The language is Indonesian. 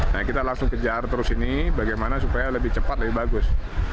nah kita langsung kejar terus ini bagaimana supaya lebih cepat lebih bagus